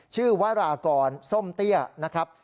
วรากรส้มเตี้ยนะครับ